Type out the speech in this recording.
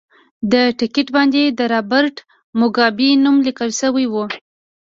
د ټکټ باندې د رابرټ موګابي نوم لیکل شوی و.